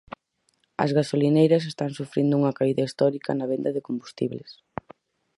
As gasolineiras están sufrindo unha caída histórica na venda de combustibles.